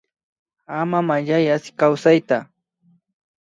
Ama Mayllay Asi kawsayta